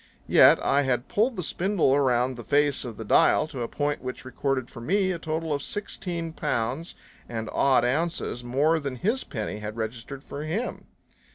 Yet I had pulled the spindle around the face of the dial to a point which recorded for me a total of sixteen pounds and odd ounces more than his penny had registered for him.